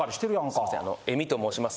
すいませんエミと申します。